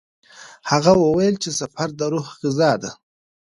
هغه وویل چې سفر د روح غذا ده.